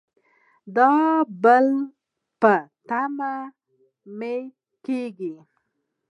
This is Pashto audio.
د بل په تمه مه کیږئ